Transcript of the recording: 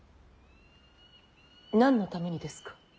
何のためにですか。